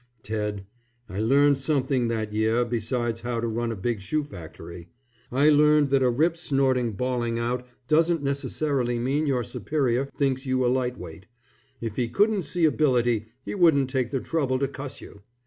Ted, I learned something that year besides how to run a big shoe factory. I learned that a rip snorting bawling out doesn't necessarily mean your superior thinks you a lightweight: if he couldn't see ability, he wouldn't take the trouble to cuss you.